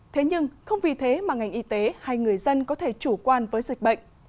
thế nhưng không vì thế mà ngành y tế hay người dân có thể chủ quan với dịch bệnh